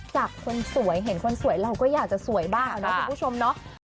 คนสวยเห็นคนสวยเราก็อยากจะสวยบ้างนะคุณผู้ชมเนาะ